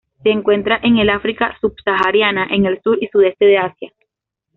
Se encuentra en el África subsahariana, en el sur y Sudeste de Asia.